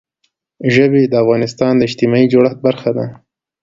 ژبې د افغانستان د اجتماعي جوړښت برخه ده.